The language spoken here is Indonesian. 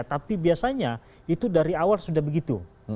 tapi biasanya itu dari awal sudah begitu